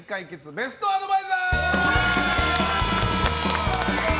ベストアドバイザー。